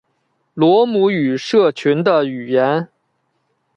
罗姆语社群的语言。